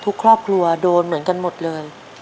ทุกครอบครัวโดนเหมือนกันหมดเลย